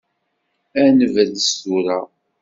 Ad nebrez tura.